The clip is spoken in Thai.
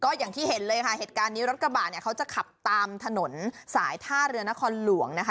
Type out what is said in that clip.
อย่างที่เห็นเลยค่ะเหตุการณ์นี้รถกระบะเนี่ยเขาจะขับตามถนนสายท่าเรือนครหลวงนะคะ